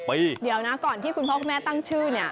เดี๋ยวนะก่อนที่คุณพ่อคุณแม่ตั้งชื่อเนี่ย